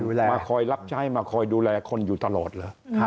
มาคอยรับใช้มาคอยดูแลคนอยู่ตลอดเหรอ